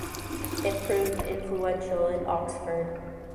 It proved influential in Oxford.